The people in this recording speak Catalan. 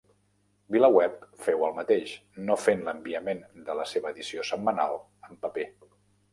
VilaWeb féu el mateix, no fent l'enviament de la seva edició setmanal en paper.